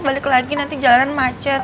balik lagi nanti jalanan macet